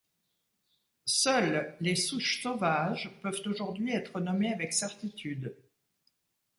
Seules les souches sauvages peuvent aujourd'hui être nommées avec certitude.